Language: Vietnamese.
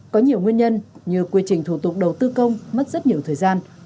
có nhiều nguyên nhân như quy trình thủ tục đầu tư công mất rất nhiều thời gian